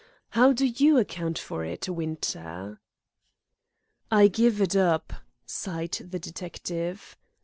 How do you account for it, Winter?" "I give it up," sighed the detective.